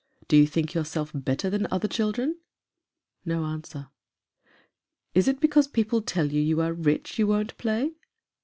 Do you think yourself better than other children ?" No answer. " Is it because people tell you you are rich, you won't play?"